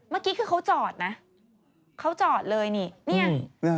เมื่อกี้คือเขาจอดนะเขาจอดเลยนี่เนี่ย